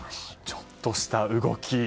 ちょっとした動き。